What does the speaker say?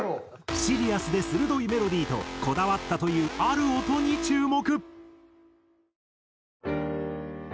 シリアスで鋭いメロディーとこだわったというある音に注目！